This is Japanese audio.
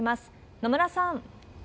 野村さん。